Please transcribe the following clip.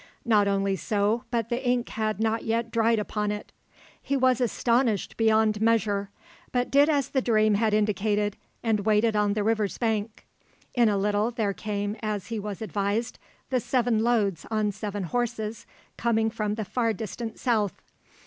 Not only so, but the ink had not yet dried upon it. He was astonished beyond measure, but did as the dream had indicated, and waited on the river's bank. In a little there came, as he was advised, the seven loads on seven horses, coming from the far distant South.